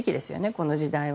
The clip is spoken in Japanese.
この時代は。